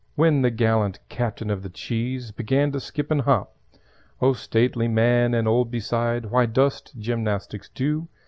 When the gallant Captain of the Cheese Began to skip and hop. "Oh stately man and old beside, Why dost gymnastics do?